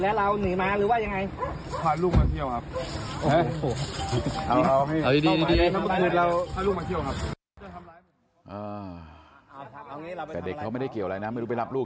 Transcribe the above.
เอาอย่างเนี้ยเอาละ